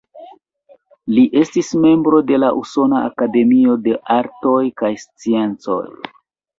Li estis membro de la Usona Akademio de Artoj kaj Sciencoj.